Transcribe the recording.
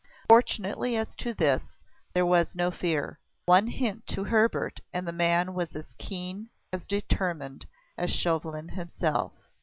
Fortunately as to this, there was no fear. One hint to Hebert and the man was as keen, as determined, as Chauvelin himself.